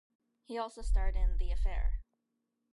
He also starred in "The Affair".